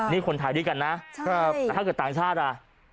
มีคนถ่ายด้วยกันนะถ้าเกิดต่างชาติ